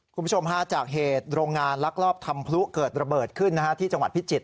คุณผู้ชมฮาจากเหตุโรงงานลักลอบทำพลุเกิดระเบิดขึ้นที่จังหวัดพิจิตร